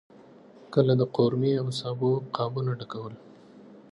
کله د قورمې او سابو قابونه ډکول.